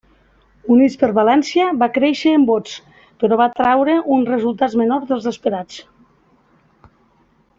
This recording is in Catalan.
Units per València va créixer en vots, però va traure uns resultats menors dels esperats.